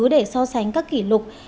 để so sánh các kỷ lục